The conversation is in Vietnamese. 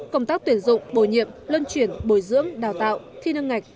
công tác tuyển dụng bồi nhiệm lân chuyển bồi dưỡng đào tạo thi nâng ngạch